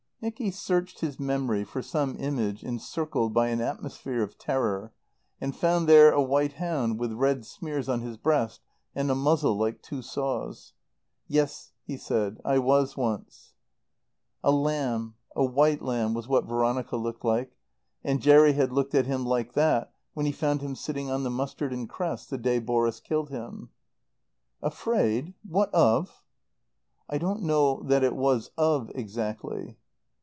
Nicky searched his memory for some image encircled by an atmosphere of terror, and found there a white hound with red smears on his breast and a muzzle like two saws. "Yes," he said, "I was once." A lamb a white lamb was what Veronica looked like. And Jerry bad looked at him like that when he found him sitting on the mustard and cress the day Boris killed him. "Afraid what of?" "I don't know that it was 'of' exactly."